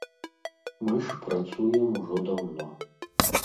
Мы ж працуем ужо даўно.